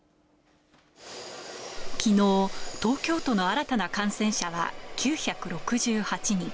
きのう、東京都の新たな感染者は９６８人。